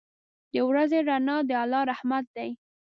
• د ورځې رڼا د الله رحمت دی.